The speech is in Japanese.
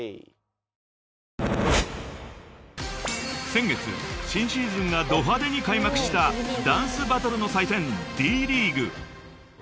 ［先月新シーズンがド派手に開幕したダンスバトルの祭典